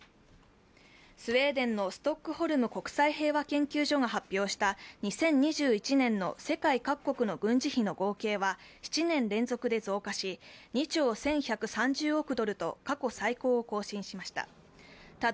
スウェーデンのストックホルム国際平和研究所が発表した２０２１年の世界各国の軍事費の合計は７年連続で増加し、２兆１１３０億ドルと過去最高を更新しました。